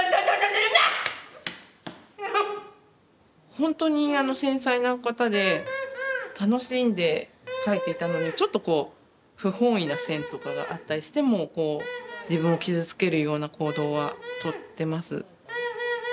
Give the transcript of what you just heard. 本当に繊細な方で楽しんで描いていたのにちょっとこう不本意な線とかがあったりしても自分を傷つけるような行動はとってます。